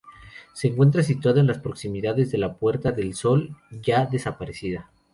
Se encuentra situada en las proximidades de la Puerta del Sol ya desaparecida.